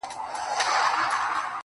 o کلونه کیږي بې ځوابه یې بې سواله یې.